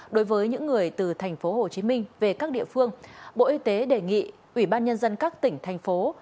đối với những người từ tp hcm về các địa phương bộ y tế đề nghị ủy ban nhân dân các tỉnh thành phố